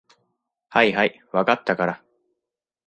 はいはい、分かったから。